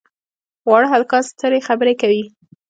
واړه هلکان سترې خبرې کوي.